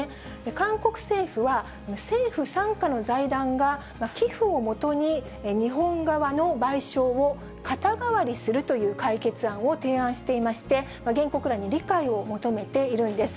韓国政府は、政府傘下の財団が、寄付をもとに日本側の賠償を肩代わりするという解決案を提案していまして、原告らに理解を求めているんです。